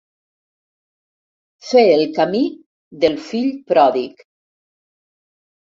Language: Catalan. Fer el camí del fill pròdig.